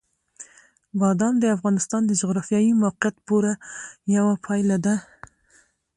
بادام د افغانستان د جغرافیایي موقیعت پوره یوه پایله ده.